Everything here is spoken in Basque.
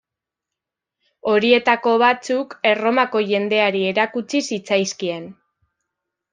Horietako batzuk Erromako jendeari erakutsi zitzaizkien.